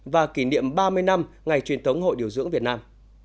và kỷ niệm ba mươi năm ngày truyền thống hội điều dưỡng việt nam